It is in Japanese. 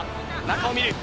中を見る。